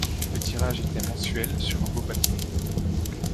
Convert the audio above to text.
Le tirage était mensuel, sur un beau papier.